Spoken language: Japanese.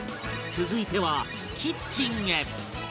続いてはキッチンへ